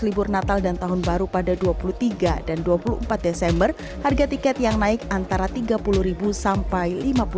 libur natal dan tahun baru pada dua puluh tiga dan dua puluh empat desember harga tiket yang naik antara tiga puluh sampai